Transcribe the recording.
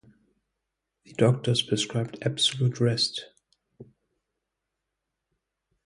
The doctors prescribed absolute rest.